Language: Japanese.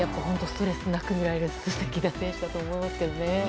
ストレスなく見られる素敵な選手だと思いますね。